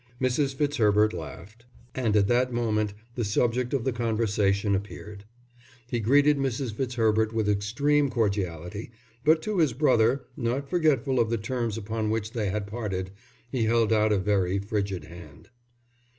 Mrs. Fitzherbert laughed, and at that moment the subject of the conversation appeared. He greeted Mrs. Fitzherbert with extreme cordiality, but to his brother, not forgetful of the terms upon which they had parted, he held out a very frigid hand.